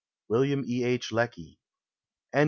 WILLIAM E. H. LECKY. ^ESOP.